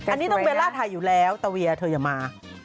อันนี้ต้องเบลล่าไทยอยู่แล้วตะเวียเธออย่ามา